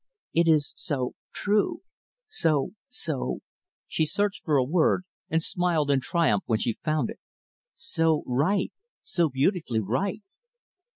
"It is so true, so so" she searched for a word, and smiled in triumph when she found it "so right so beautifully right.